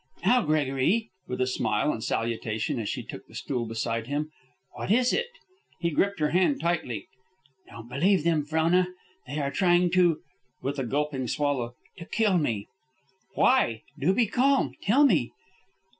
"Now, Gregory," with a smile and salutation as she took the stool beside him, "what is it?" He gripped her hand tightly. "Don't believe them, Frona. They are trying to" with a gulping swallow "to kill me." "Why? Do be calm. Tell me."